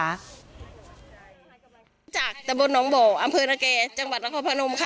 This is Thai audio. มาจากดับบดนองบอกอำเฟิย์นะแก่จังหวัดนครพลภนมค่ะ